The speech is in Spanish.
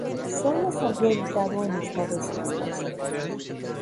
Sólo salió editado en Estados Unidos.